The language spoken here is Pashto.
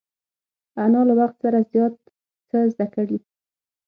انا له وخت سره زیات څه زده کړي